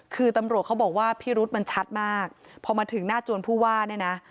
คือตำรวจเขาบอกว่าพิรุษมันชัดมากพอมาถึงหน้าจวนผู้ว่าเนี่ยนะ